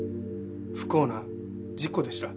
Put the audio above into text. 不幸な事故でした。